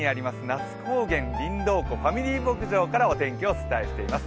那須高原りんどう湖ファミリー牧場からお天気をお伝えしています。